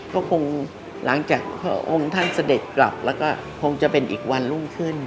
ก็คงหลังจากพระองค์ท่านเสด็จกลับแล้วก็คงจะเป็นอีกวันรุ่งขึ้น